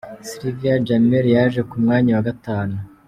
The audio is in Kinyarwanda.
Sylvia Jemel yaje ku mwanya wa gatanu.